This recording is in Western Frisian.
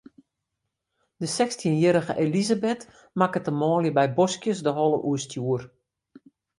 De sechstjinjierrige Elisabeth makket de manlju by boskjes de holle oerstjoer.